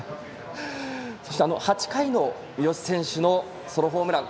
そして、８回の三好選手のソロホームラン。